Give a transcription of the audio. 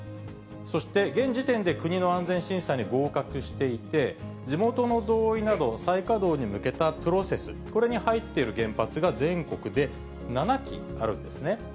そして、現時点で国の安全審査に合格していて、地元の同意など、再稼働に向けたプロセス、これに入ってる原発が全国で７基あるんですね。